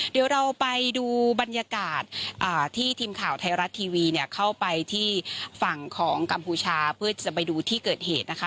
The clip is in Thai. เดี๋ยวเราไปดูบรรยากาศที่ทีมข่าวไทยรัฐทีวีเนี่ยเข้าไปที่ฝั่งของกัมพูชาเพื่อจะไปดูที่เกิดเหตุนะคะ